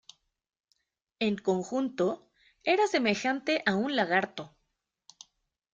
En conjunto, era semejante a un lagarto.